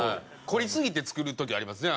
凝りすぎて作る時ありますね。